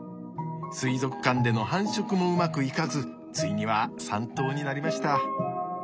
水族館での繁殖もうまくいかずついには３頭になりました。